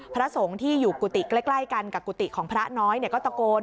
พระทรงที่อยู่กุฏิใกล้ใกล้กันกับกุฏิของพระน้อยเนี้ยก็ตะโกน